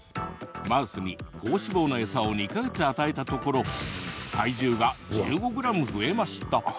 マウスに高脂肪の餌を２か月与えたところ体重が１５ｇ増えました。